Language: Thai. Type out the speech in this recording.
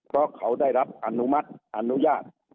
เพราะเขาได้รับอนุมัติอนุญาต